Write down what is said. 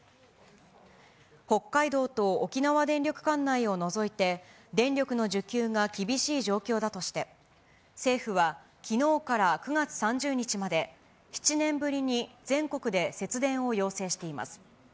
北海道と沖縄電力管内を除いて、電力の需給が厳しい状況だとして、政府はきのうから９月３０日まで、７年ぶりに全国で節電を要請しています。